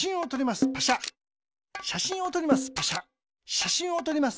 しゃしんをとります。